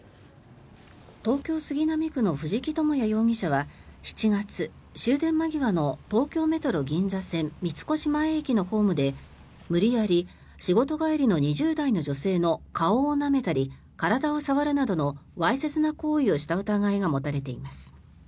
東京・杉並区の藤木智也疑者は７月終電間際の東京メトロ銀座線三越前駅のホームで無理やり仕事帰りの２０代の女性の顔をなめたり体を触るなどのわいせつな行為をした疑いが持たれています。